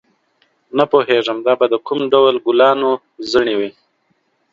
نه پوهېږم دا به د کوم ډول ګلانو زړي وي.